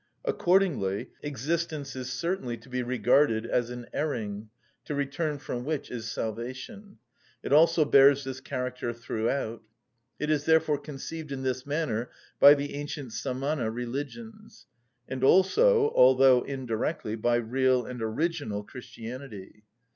Accordingly existence is certainly to be regarded as an erring, to return from which is salvation: it also bears this character throughout. It is therefore conceived in this manner by the ancient Samana religions, and also, although indirectly, by real and original Christianity.